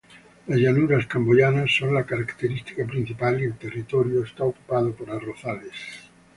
Las llanuras camboyanas son la característica principal y el territorio está ocupado por arrozales.